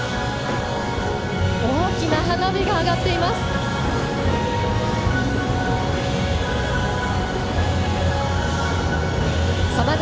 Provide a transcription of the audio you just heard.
大きな花火が上がっています。